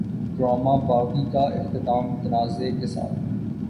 drama Baaghi کا اختتام تنازعے کے ساتھ